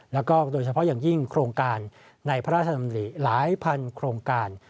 แล้วก็โดยเฉพาะอย่างยิ่งโครงการในพระราชดำริหลายพันโครงการ